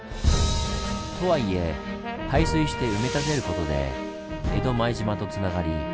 とはいえ排水して埋め立てることで江戸前島とつながり